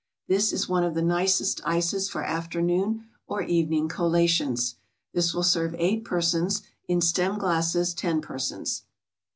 This is one of the nicest ices for afternoon or evening collations. This will serve eight persons; in stem glasses, ten persons.